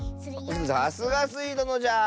さすがスイどのじゃ。